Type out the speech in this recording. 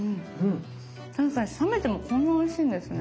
冷めてもこんなおいしいんですね。